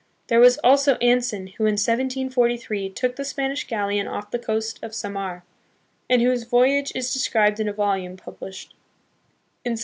There was also Anson, who in 1743 took the Spanish galleon off the coast of Samar, and whose voyage is described in a volume pub lished in 1745.